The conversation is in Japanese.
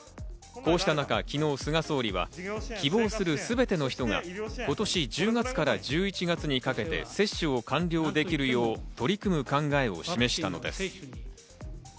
こうした中、昨日、菅総理は希望するすべての人が今年１０月から１１月にかけて接種を完了できるよう取り組む考えを示したのです。